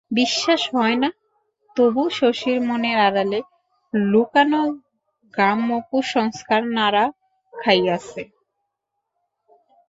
বিশ্বাস হয় না, তবু শশীর মনের আড়ালে লুকানো গ্রাম্য কুসংস্কার নাড়া খাইয়াছে।